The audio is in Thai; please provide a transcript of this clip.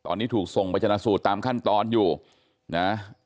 ตอนนี้ถูกส่งไปชนะสูตรตามขั้นตอนอยู่นะ